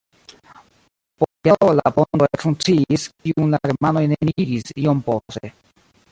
Post jaro la ponto ekfunkciis, kiun la germanoj neniigis iom poste.